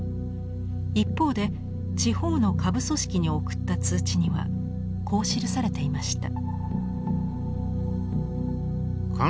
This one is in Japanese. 一方で地方の下部組織に送った通知にはこう記されていました。